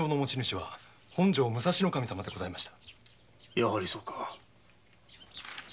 やはりそうか。